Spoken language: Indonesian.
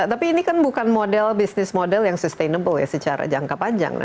tapi ini kan bukan model bisnis model yang sustainable ya secara jangka panjang